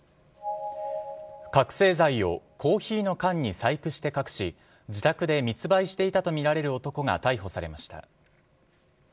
覚醒剤をコーヒーの缶に細工して隠し自宅で密売していたとみられる男が逮捕されました。